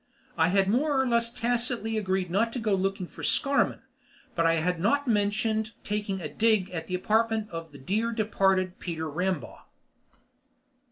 I had more or less tacitly agreed not to go looking for Scarmann, but I had not mentioned taking a dig at the apartment of the dear departed, Peter Rambaugh.